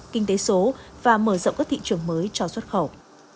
kinh tế số và mở rộng các thị trường mới cho xuất khẩu